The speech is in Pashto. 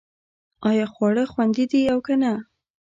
ایا خواړه خوندي دي او که نه